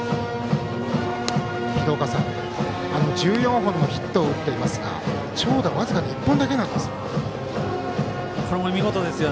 廣岡さん、１４本のヒット打っていますが長打は僅かに１本だけなんですよ。